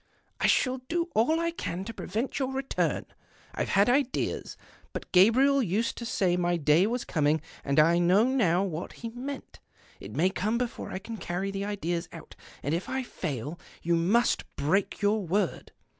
" I shall do all I can to prevent your return ; I've had ideas. But Gabriel used to say my day was coming, and I know now what he meant. It may come before I can carry the ideas out, and if I fail you onu.sf break your word.